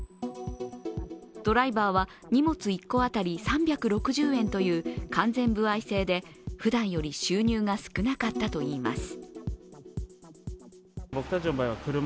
ドライバーは荷物１個当たり３６０円という完全歩合制でふだんより収入が少なかったといいます。